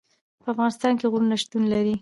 په افغانستان کې غرونه شتون لري.